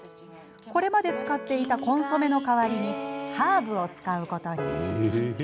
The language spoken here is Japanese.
これまで使っていたコンソメの代わりに、ハーブを使うことに。